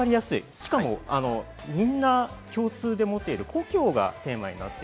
しかも、みんな共通で持っている故郷がテーマです。